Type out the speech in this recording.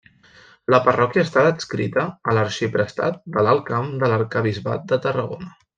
La parròquia està adscrita a l'arxiprestat de l'Alt Camp de l'arquebisbat de Tarragona.